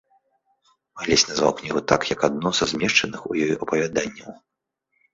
Алесь назваў кнігу так, як адно са змешчаных у ёй апавяданняў.